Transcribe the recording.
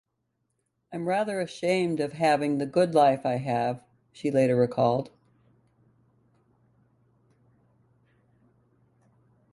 I'm rather ashamed of having the good life I have, she later recalled.